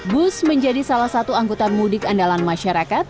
bus menjadi salah satu anggota mudik andalan masyarakat